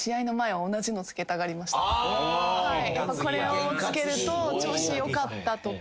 これをかけると調子良かったとか。